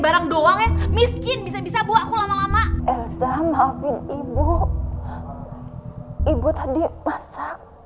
barang doang ya miskin bisa bisa bu aku lama lama enzam maafin ibu ibu tadi masak